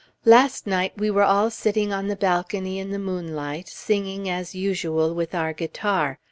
Last night we were all sitting on the balcony in the moonlight, singing as usual with our guitar.